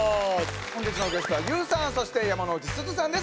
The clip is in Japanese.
本日のゲストはＹＯＵさんそして山之内すずさんです。